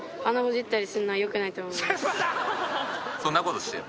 そんなことしてんの？